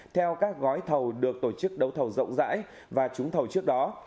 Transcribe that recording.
theo các gói thầu được tổ chức đấu thầu rộng rãi và trúng thầu trước đó